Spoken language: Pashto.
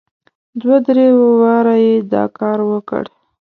دوه درې واره یې دا کار وکړ.